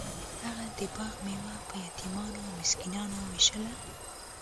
هغه د باغ میوه په یتیمانو او مسکینانو ویشله.